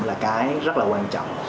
là cái rất là quan trọng